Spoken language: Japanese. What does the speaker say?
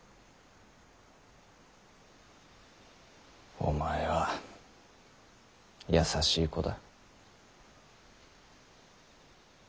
お前は優しい子だ。